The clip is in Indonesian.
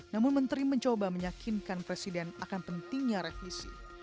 namun menteri mencoba meyakinkan presiden akan pentingnya revisi